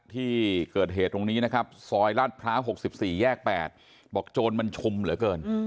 ที่เกิดเหตุตรงนี้นะครับซอยลาดพร้าว๖๔แยก๘บอกโจรมันชุมเหลือเกิน